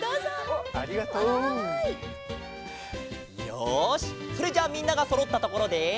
よしそれじゃあみんながそろったところで。